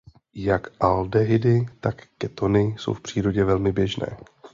Jak aldehydy tak ketony jsou v přírodě velmi běžné.